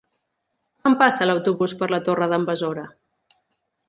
Quan passa l'autobús per la Torre d'en Besora?